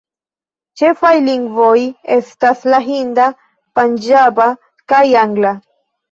Ĉefaj lingvoj estas la hinda, panĝaba kaj angla.